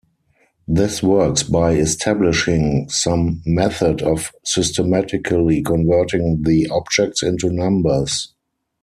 This works by establishing some method of systematically converting the objects into numbers.